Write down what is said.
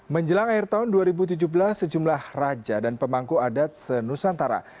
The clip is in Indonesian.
menjelang akhir tahun dua ribu tujuh belas sejumlah raja dan pemangku adat senusantara